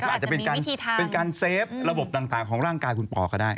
อาจจะเป็นการเซฟระบบต่างของร่างกายคุณปอก็ได้